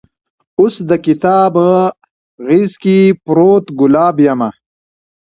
اوس دکتاب غیز کې پروت ګلاب یمه